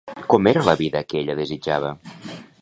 Com era la vida que ella desitjava?